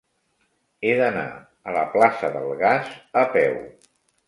He d'anar a la plaça del Gas a peu.